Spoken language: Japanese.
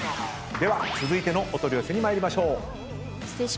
では続いてのお取り寄せに参りましょう。